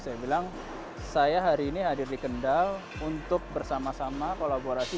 saya bilang saya hari ini hadir di kendal untuk bersama sama kolaborasi